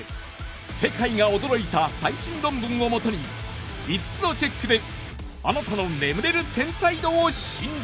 世界が驚いた最新論文を基に５つのチェックであなたの眠れる天才度を診断。